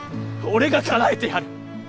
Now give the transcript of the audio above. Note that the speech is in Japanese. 俺がかなえてやる！